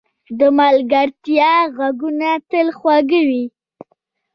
د ملګرتیا ږغونه تل خواږه وي.